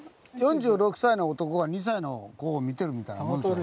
４６歳の男が２歳の子を見てるみたいなもんでしょうね。